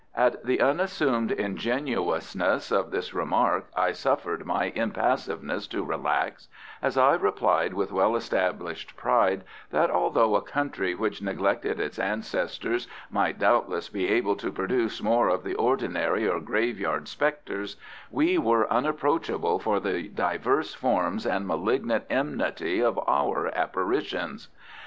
At the unassumed ingenuousness of this remark I suffered my impassiveness to relax, as I replied with well established pride that although a country which neglected its ancestors might doubtless be able to produce more of the ordinary or graveyard spectres, we were unapproachable for the diverse forms and malignant enmity of our apparitions.